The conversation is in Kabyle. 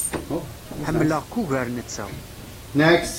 Ḥemmleɣ-k ugar netta.